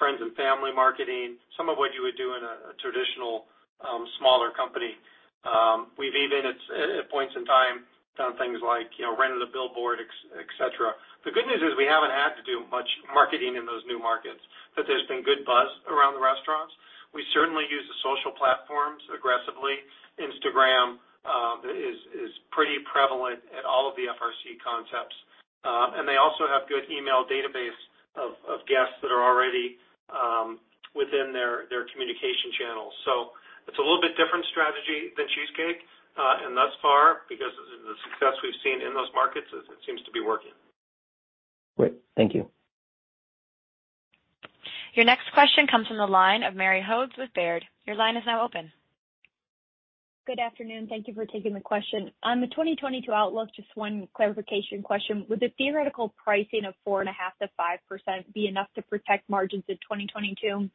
friends and family marketing, some of what you would do in a traditional smaller company. We've even at points in time done things like, you know, rented a billboard, et cetera. The good news is we haven't had to do much marketing in those new markets, that there's been good buzz around the restaurants. We certainly use the social platforms aggressively. Instagram is pretty prevalent at all of the FRC concepts. They also have good email database of guests that are already within their communication channels. It's a little bit different strategy than Cheesecake, and thus far, because of the success we've seen in those markets, it seems to be working. Great. Thank you. Your next question comes from the line of Mary Hodes with Baird. Your line is now open. Good afternoon. Thank you for taking the question. On the 2022 outlook, just one clarification question. Would the theoretical pricing of 4.5%-5% be enough to protect margins in 2022,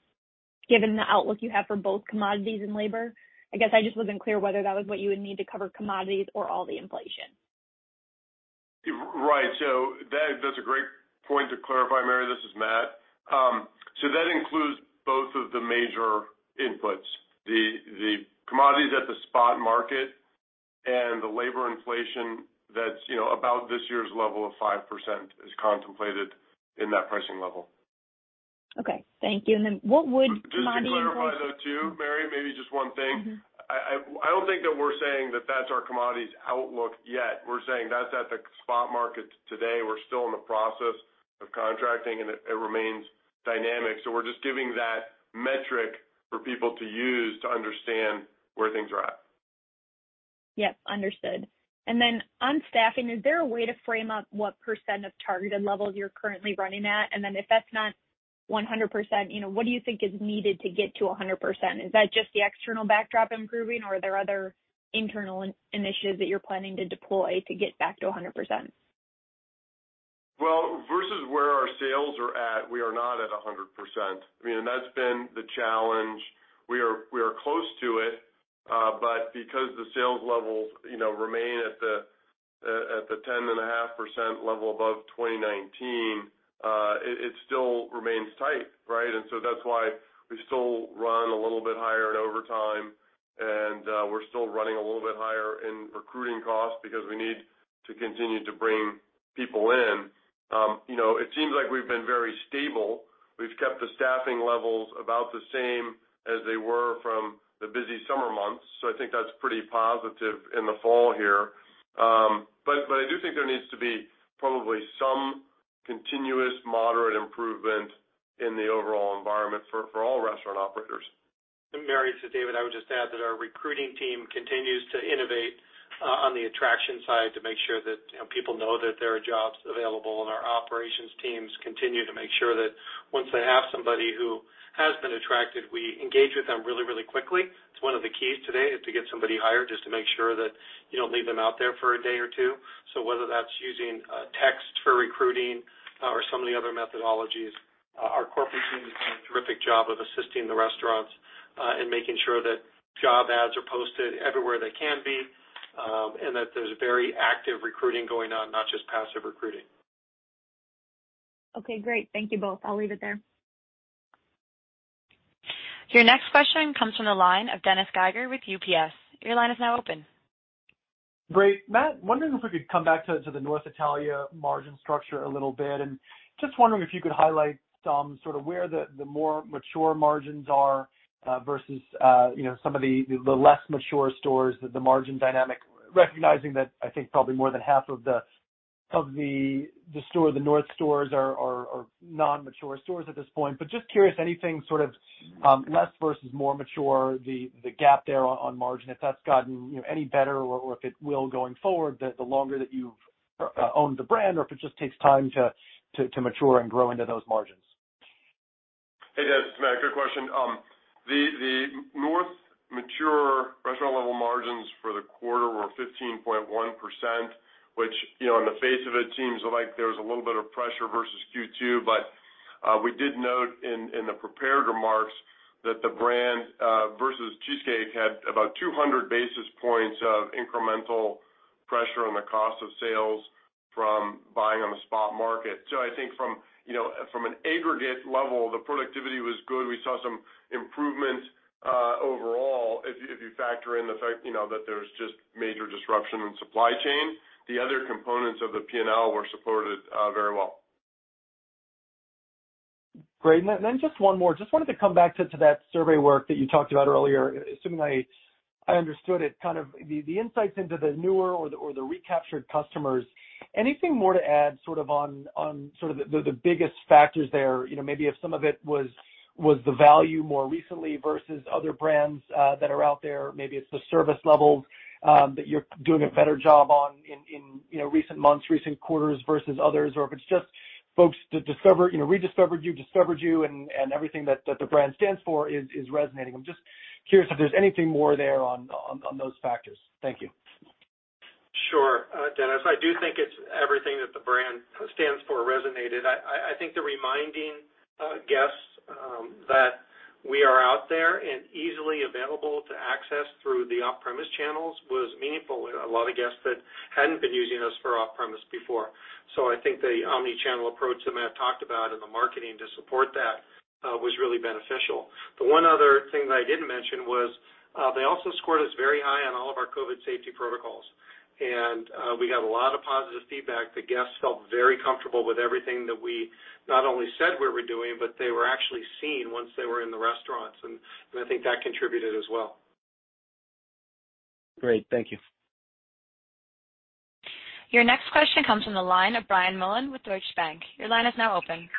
given the outlook you have for both commodities and labor? I guess I just wasn't clear whether that was what you would need to cover commodities or all the inflation. Right. That's a great point to clarify, Mary. This is Matt. That includes both of the major inputs, the commodities at the spot market and the labor inflation that's, you know, about this year's level of 5% is contemplated in that pricing level. Okay. Thank you. What would commodity inflation- Just to clarify, though, too, Mary, maybe just one thing. Mm-hmm. I don't think that we're saying that that's our commodities outlook yet. We're saying that's at the spot market today. We're still in the process of contracting, and it remains dynamic. We're just giving that metric for people to use to understand where things are at. Yep. Understood. On staffing, is there a way to frame up what % of targeted levels you're currently running at? If that's not 100%, you know, what do you think is needed to get to 100%? Is that just the external backdrop improving, or are there other internal initiatives that you're planning to deploy to get back to 100%? Well, versus where our sales are at, we are not at 100%. I mean, and that's been the challenge. We are close to it, but because the sales levels, you know, remain at the 10.5% level above 2019, it still remains tight, right? And so that's why we still run a little bit higher in overtime, and we're still running a little bit higher in recruiting costs because we need to continue to bring people in. You know, it seems like we've been very stable. We've kept the staffing levels about the same as they were from the busy summer months, so I think that's pretty positive in the fall here. I do think there needs to be probably some continuous moderate improvement in the overall environment for all restaurant operators. Mary, this is David. I would just add that our recruiting team continues to innovate on the attraction side to make sure that, you know, people know that there are jobs available, and our operations teams continue to make sure that once they have somebody who has been attracted, we engage with them really, really quickly. It's one of the keys today is to get somebody hired just to make sure that you don't leave them out there for a day or two. Whether that's using text for recruiting or some of the other methodologies, our corporate team is doing a terrific job of assisting the restaurants in making sure that job ads are posted everywhere they can be, and that there's very active recruiting going on, not just passive recruiting. Okay. Great. Thank you both. I'll leave it there. Your next question comes from the line of Dennis Geiger with UBS. Your line is now open. Great. Matt, wondering if we could come back to the North Italia margin structure a little bit. Just wondering if you could highlight some sort of where the more mature margins are versus you know some of the less mature stores, the margin dynamic, recognizing that I think probably more than half of the stores, the North stores are non-mature stores at this point. Just curious, anything sort of less versus more mature, the gap there on margin, if that's gotten you know any better or if it will going forward, the longer that you've owned the brand, or if it just takes time to mature and grow into those margins. Hey, Dennis, it's Matt. Great question. The North Italia restaurant level margins for the quarter were 15.1%, which, you know, on the face of it seems like there was a little bit of pressure versus Q2. We did note in the prepared remarks that the brand versus Cheesecake had about 200 basis points of incremental pressure on the cost of sales from buying on the spot market. I think from, you know, from an aggregate level, the productivity was good. We saw some improvement overall, if you factor in the fact, you know, that there's just major disruption in supply chain. The other components of the P&L were supported very well. Great. Just one more. Just wanted to come back to that survey work that you talked about earlier. Assuming I understood it kind of the insights into the newer or the recaptured customers. Anything more to add sort of on sort of the biggest factors there, you know, maybe if some of it was the value more recently versus other brands that are out there. Maybe it's the service levels that you're doing a better job on in you know, recent months, recent quarters versus others. Or if it's just folks to discover, you know, rediscovered you, discovered you and everything that the brand stands for is resonating. I'm just curious if there's anything more there on those factors. Thank you. Sure. Dennis, I do think it's everything that the brand stands for that resonated. I think the reminding guests that we are out there and easily available to access through the off-premise channels was meaningful with a lot of guests that hadn't been using us for off-premise before. I think the omni-channel approach that Matt talked about and the marketing to support that was really beneficial. The one other thing that I didn't mention was they also scored us very high on all of our COVID safety protocols. We got a lot of positive feedback. The guests felt very comfortable with everything that we not only said we were doing, but they were actually seeing once they were in the restaurants, and I think that contributed as well. Great. Thank you. Your next question comes from the line of Brian Mullan with Deutsche Bank. Your line is now open.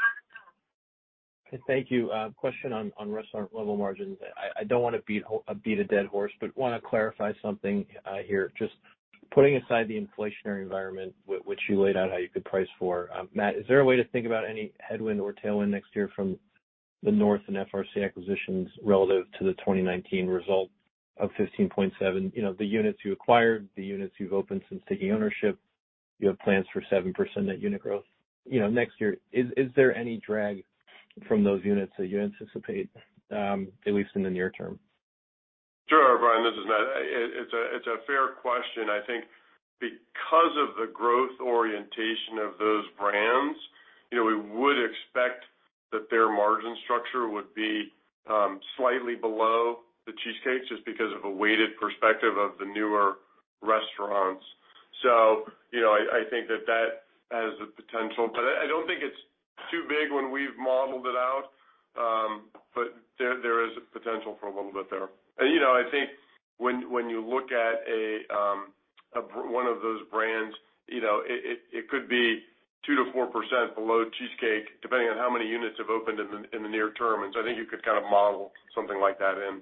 Thank you. Question on restaurant level margins. I don't wanna beat a dead horse, but wanna clarify something here. Just putting aside the inflationary environment which you laid out how you could price for, Matt, is there a way to think about any headwind or tailwind next year from the North Italia and FRC acquisitions relative to the 2019 result of 15.7%? You know, the units you acquired, the units you've opened since taking ownership, you have plans for 7% net unit growth, you know, next year. Is there any drag from those units that you anticipate, at least in the near term? Sure, Brian. This is Matt. It's a fair question. I think because of the growth orientation of those brands, you know, we would expect that their margin structure would be slightly below The Cheesecake just because of a weighted perspective of the newer restaurants. You know, I think that has the potential. I don't think it's too big when we've modeled it out, but there is a potential for a little bit there. You know, I think when you look at one of those brands, you know, it could be 2%-4% below Cheesecake, depending on how many units have opened in the near term. I think you could kind of model something like that in.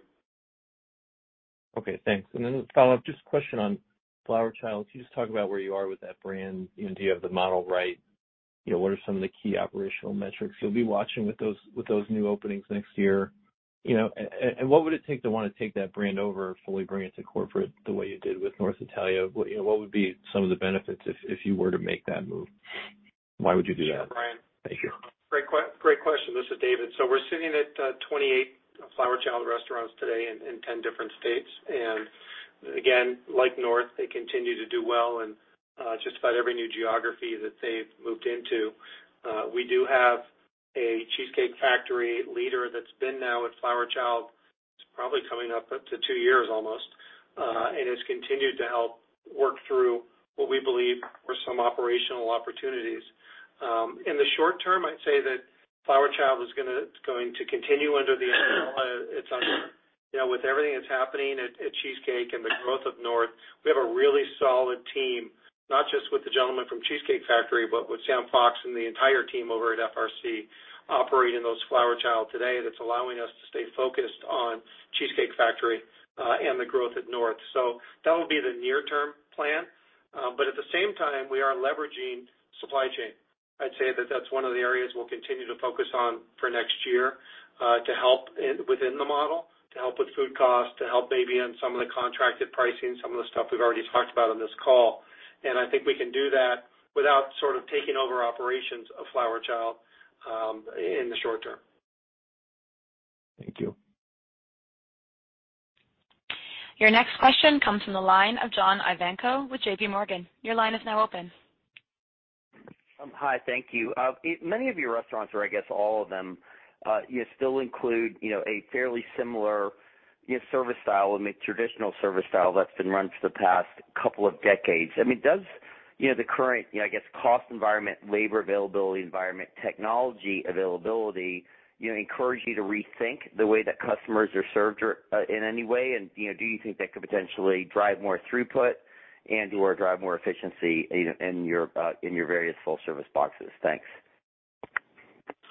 Okay, thanks. Then just a follow-up, just a question on Flower Child. Can you just talk about where you are with that brand? You know, do you have the model right? You know, what are some of the key operational metrics you'll be watching with those new openings next year? You know, and what would it take to wanna take that brand over, fully bring it to corporate the way you did with North Italia? What, you know, would be some of the benefits if you were to make that move? Why would you do that? Sure, Brian. Thank you. Great question. This is David. We're sitting at 28 Flower Child restaurants today in 10 different states. Again, like North Italia, they continue to do well in just about every new geography that they've moved into. We do have a Cheesecake Factory leader that's been now at Flower Child. It's probably coming up to two years almost, and has continued to help work through what we believe were some operational opportunities. In the short term, I'd say that Flower Child is going to continue under the umbrella it's under. You know, with everything that's happening at Cheesecake and the growth of North, we have a really solid team, not just with the gentleman from Cheesecake Factory, but with Sam Fox and the entire team over at FRC operating those Flower Child today, that's allowing us to stay focused on Cheesecake Factory and the growth at North. That'll be the near term plan. But at the same time, we are leveraging supply chain. I'd say that that's one of the areas we'll continue to focus on for next year, to help within the model, to help with food costs, to help maybe in some of the contracted pricing, some of the stuff we've already talked about on this call. I think we can do that without sort of taking over operations of Flower Child in the short term. Thank you. Your next question comes from the line of John Ivankoe with JP Morgan. Your line is now open. Hi. Thank you. Many of your restaurants or I guess all of them, you still include, you know, a fairly similar, you know, service style, I mean, traditional service style that's been run for the past couple of decades. I mean, does, you know, the current, you know, I guess, cost environment, labor availability environment, technology availability, you know, encourage you to rethink the way that customers are served or in any way? You know, do you think that could potentially drive more throughput and/or drive more efficiency in your various full service boxes? Thanks.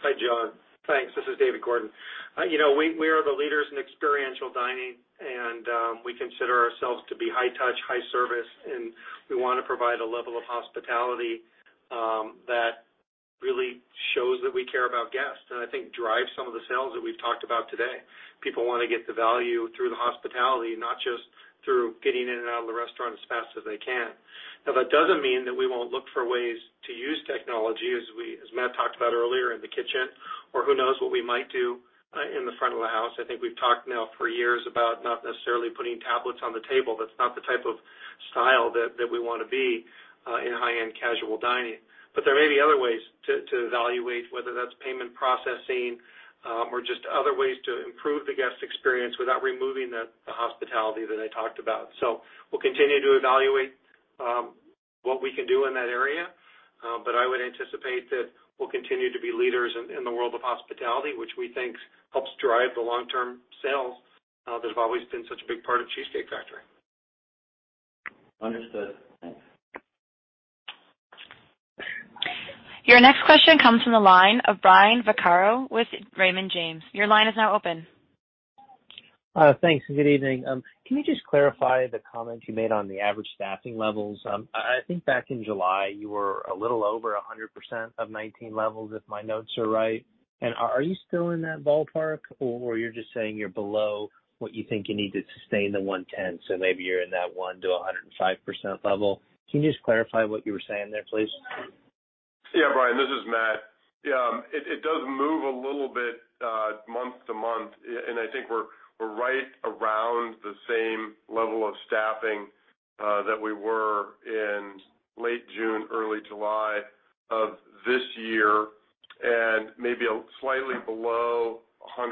Hi, John. Thanks. This is David Gordon. We are the leaders in experiential dining and we consider ourselves to be high touch, high service, and we wanna provide a level of hospitality that really shows that we care about guests and I think drives some of the sales that we've talked about today. People wanna get the value through the hospitality, not just through getting in and out of the restaurant as fast as they can. Now, that doesn't mean that we won't look for ways to use technology as Matt talked about earlier in the kitchen, or who knows what we might do in the front of the house. I think we've talked now for years about not necessarily putting tablets on the table. That's not the type of style that we wanna be in high-end casual dining. There may be other ways to evaluate whether that's payment processing, or just other ways to improve the guest experience without removing the hospitality that I talked about. We'll continue to evaluate what we can do in that area. I would anticipate that we'll continue to be leaders in the world of hospitality, which we think helps drive the long-term sales that have always been such a big part of Cheesecake Factory. Understood. Thanks. Your next question comes from the line of Brian Vaccaro with Raymond James. Your line is now open. Thanks, and good evening. Can you just clarify the comment you made on the average staffing levels? I think back in July you were a little over 100% of 2019 levels, if my notes are right. Are you still in that ballpark or you're just saying you're below what you think you need to sustain the 110, so maybe you're in that 100%-105% level? Can you just clarify what you were saying there, please? Yeah, Brian, this is Matt. Yeah. It does move a little bit month to month. I think we're right around the same level of staffing that we were in late June, early July of this year, and maybe slightly below 100%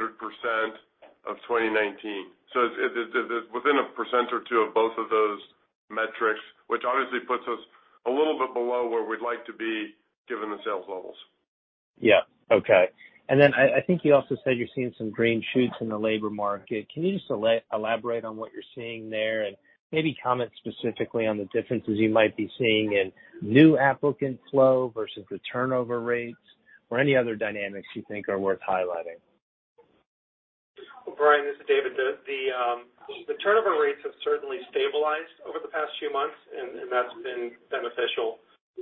of 2019. It's within 1% or 2% of both of those metrics, which obviously puts us a little bit below where we'd like to be given the sales levels. Yeah. Okay. I think you also said you're seeing some green shoots in the labor market. Can you just elaborate on what you're seeing there and maybe comment specifically on the differences you might be seeing in new applicant flow versus the turnover rates or any other dynamics you think are worth highlighting? Well, Brian, this is David. The turnover rates have certainly stabilized over the past few months, and that's been beneficial.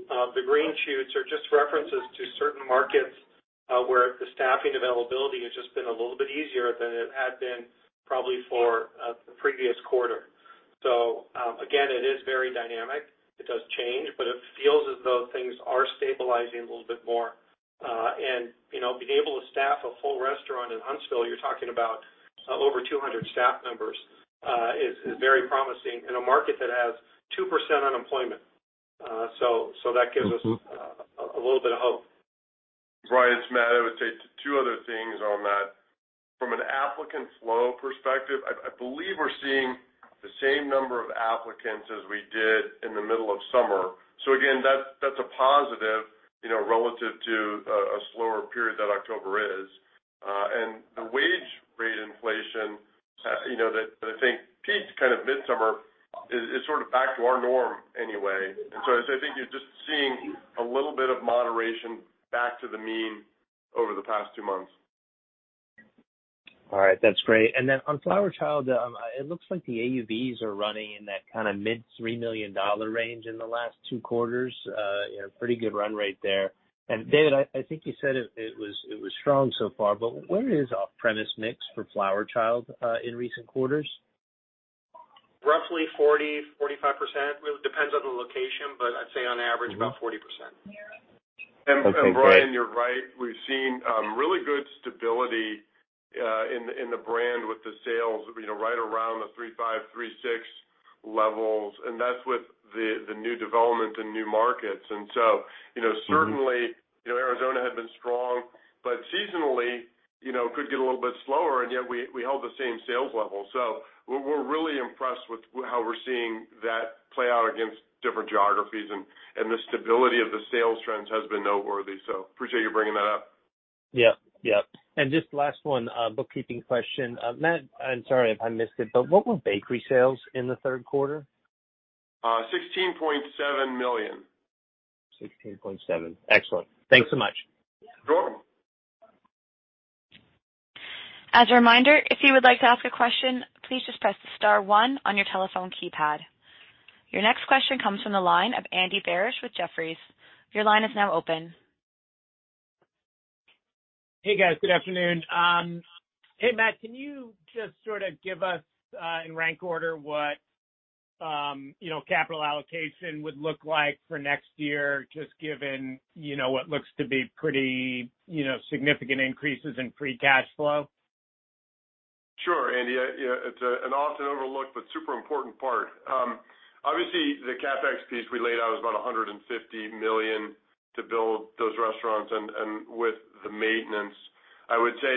The green shoots are just references to certain markets where the staffing availability has just been a little bit easier than it had been probably for the previous quarter. Again, it is very dynamic. It does change, but it feels as though things are stabilizing a little bit more. You know, being able to staff a full restaurant in Huntsville, you're talking about over 200 staff members, is very promising in a market that has 2% unemployment. That gives us- Mm-hmm. a little bit of hope. Brian, it's Matt. I would say two other things on that. From an applicant flow perspective, I believe we're seeing the same number of applicants as we did in the middle of summer. Again, that's a positive, you know, relative to a slower period that October is. The wage rate inflation, you know, that I think peaked kind of midsummer is sort of back to our norm anyway. I'd say I think you're just seeing a little bit of moderation back to the mean over the past two months. All right. That's great. On Flower Child, it looks like the AUVs are running in that kinda mid-$3 million range in the last two quarters. You know, pretty good run rate there. David, I think you said it was strong so far, but where is off-premise mix for Flower Child in recent quarters? Roughly 40%-45%. Really depends on the location, but I'd say on average about 40%. Okay, great. Brian, you're right. We've seen really good stability in the brand with the sales, you know, right around the 3.5, 3.6 levels, and that's with the new development in new markets. You know- Mm-hmm. Certainly, you know, Arizona had been strong, but seasonally, you know, could get a little bit slower and yet we held the same sales level. We're really impressed with how we're seeing that play out against different geographies and the stability of the sales trends has been noteworthy. I appreciate you bringing that up. Yep. Just last one, bookkeeping question. Matt, I'm sorry if I missed it, but what were bakery sales in the third quarter? $16.7 million. 16.7. Excellent. Thanks so much. Sure. As a reminder, if you would like to ask a question, please just press star one on your telephone keypad. Your next question comes from the line of Andy Barish with Jefferies. Your line is now open. Hey, guys. Good afternoon. Hey, Matt, can you just sort of give us in rank order what you know, capital allocation would look like for next year, just given you know, what looks to be pretty you know, significant increases in free cash flow? Sure, Andy. Yeah. It's an often overlooked but super important part. Obviously, the CapEx piece we laid out was about $150 million to build those restaurants and with the maintenance. I would say,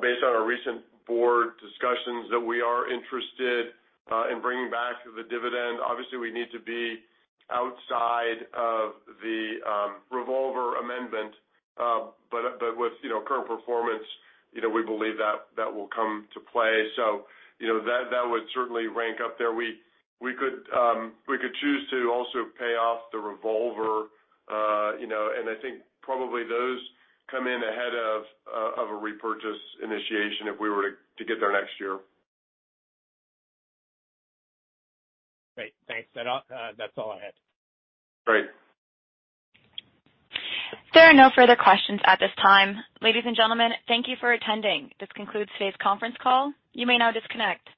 based on our recent board discussions, that we are interested in bringing back the dividend. Obviously, we need to be outside of the revolver amendment, but with current performance, you know, we believe that that will come to play. So, you know, that would certainly rank up there. We could choose to also pay off the revolver, you know, and I think probably those come in ahead of a repurchase initiation if we were to get there next year. Great. Thanks. That's all I had. Great. There are no further questions at this time. Ladies and gentlemen, thank you for attending. This concludes today's conference call. You may now disconnect.